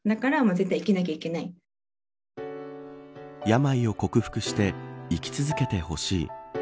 病を克服して生き続けてほしい。